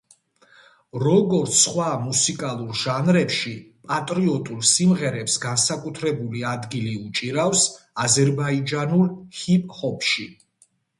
როგორც სხვა მუსიკალურ ჟანრებში, პატრიოტულ სიმღერებს განსაკუთრებული ადგილი უჭირავს აზერბაიჯანულ ჰიპ-ჰოპში.